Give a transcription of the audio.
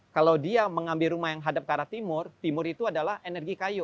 kalau dia mengambil rumah yang hadap ke arah timur timur itu adalah energi kayu